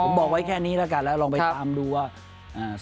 ผมบอกไว้แค่นี้แล้วกันแล้วลองไปตามดูว่า